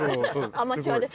アマチュアです。